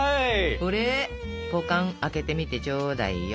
これぱかん開けてみてちょうだいよ。